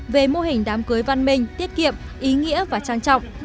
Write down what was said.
về mô hình đám cưới văn minh tiết kiệm ý nghĩa và trang trọng